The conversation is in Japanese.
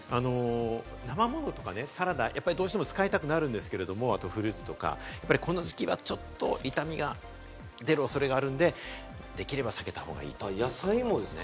生ものとかサラダ、どうしても使いたくなるんですけれども、あとフルーツとか、この時期はちょっと傷みが出る恐れがあるんで、できれば避けた方がいいということですね。